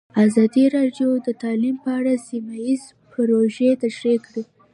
ازادي راډیو د تعلیم په اړه سیمه ییزې پروژې تشریح کړې.